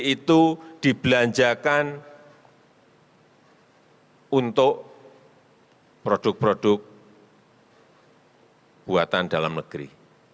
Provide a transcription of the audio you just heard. itu dibelanjakan untuk produk produk buatan dalam negeri